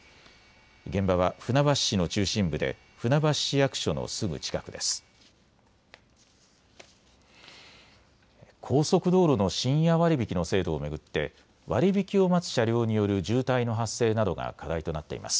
現場は船橋市の中心部で船橋市役所のすぐ近くです。